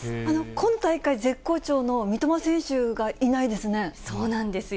今大会絶好調の三笘選手がいそうなんですよ。